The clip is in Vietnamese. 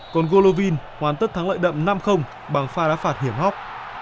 còn gollovin hoàn tất thắng lợi đậm năm bằng pha đá phạt hiểm hóc